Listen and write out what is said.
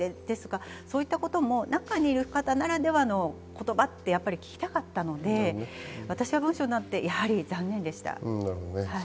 そういったことも中にいる方ならではの言葉で聞きたかったので、私は文書になってやはり残念でした。